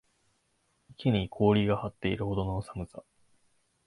池に氷が張っているほどの寒さ